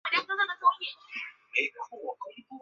鳃膜与喉峡部相连。